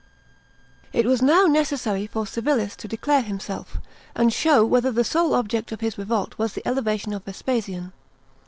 It was now necessary for Chilis to declare himsdf, and show whether the sole object of his revolt was the elevation of Vespasian.